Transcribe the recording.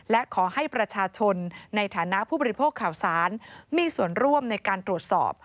และขอให้ประชาชนในฐานะผู้บริโภคข่าวสารมีส่วนร่วมในการตรวจสอบ